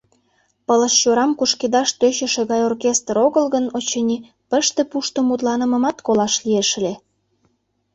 Пылышчорам кушкедаш тӧчышӧ гай оркестр огыл гын, очыни, пыште-пушто мутланымымат колаш лиеш ыле.